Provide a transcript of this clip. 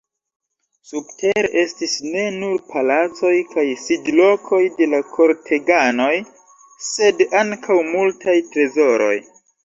Subtere estis ne nur palacoj kaj sidlokoj de la korteganoj, sed ankaŭ multaj trezoroj.